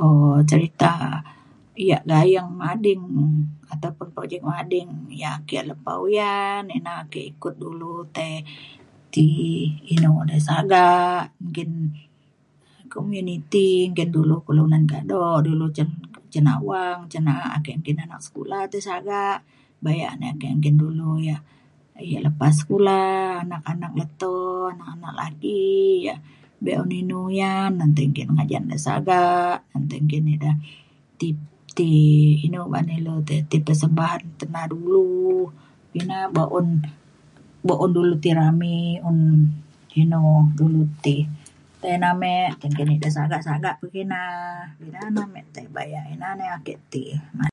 um cerita yak gayeng mading ataupun projek mading yak ake lepa uyan ina ake ikut dulu tai ti inu ngadan dei sagak nggin komuniti nggin dulu kelunan kado. dulu cin cin awang cin na’a ake nggin anak sekula ti sagak bayak ne nggin nggin dulu yak yak lepa sekula anak anak leto anak anak laki yak be’un inu uyan na ti nggin ngajat ngan sagak ngan tai nggin ida ti ti inu ba’an ilu ti persembahan te na dulu. ina buk un buk un dulu ti rami un inu dulu ti. tai ame nggin nggin ida sagak sagak pekina ina na tai me bayak ina na ake ti nga-